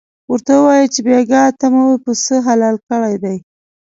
ورته ووایه چې بېګاه ته مو پسه حلال کړی دی.